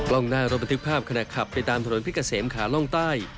กล้องหน้ารถบันทึกภาพขณะขับไปตามถนนเพชรเกษมขาล่องใต้